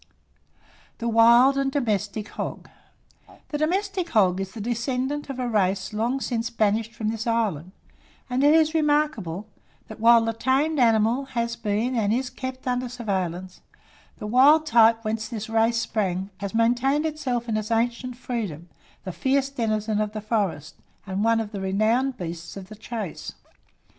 THE WILD AND DOMESTIC HOG. The domestic hog is the descendant of a race long since banished from this island; and it is remarkable, that while the tamed animal has been and is kept under surveillance, the wild type whence this race sprung, has maintained itself in its ancient freedom, the fierce denizen of the forest, and one of the renowned beasts of the chase.